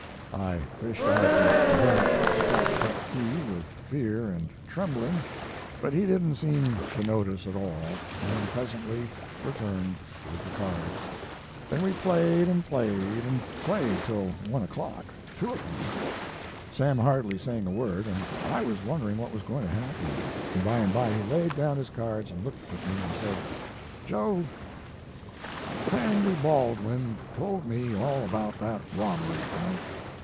"I fished out that burnt, scratched up key with fear and trembling. But he didn't seem to notice it at all, and presently returned with the cards. Then we played, and played, and played till one o'clock two o'clock Sam hardly saying a word, and I wondering what was going to happen. By and by he laid down his cards and looked at me, and said: "'Joe, Sandy Baldwin told me all about that robbery to night.